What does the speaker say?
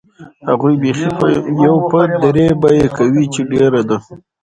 هغوی بیخي یو په درې بیه کوي چې ډېره ده.